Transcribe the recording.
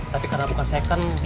tapi karena bukan second